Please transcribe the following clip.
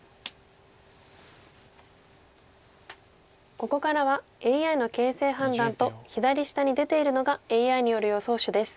ここからはＡＩの形勢判断と左下に出ているのがＡＩによる予想手です。